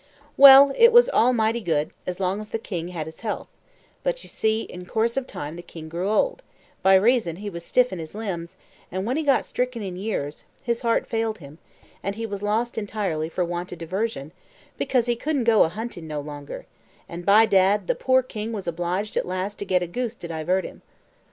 Well, it was all mighty good, as long as the king had his health; but, you see, in course of time the king grew old, by raison he was stiff in his limbs, and when he got stricken in years, his heart failed him, and he was lost entirely for want o' diversion, because he couldn't go a hunting no longer; and, by dad, the poor king was obliged at last to get a goose to divert him.